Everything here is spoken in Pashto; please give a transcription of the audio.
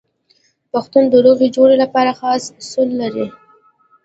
پښتون د روغې جوړې لپاره خاص اصول لري.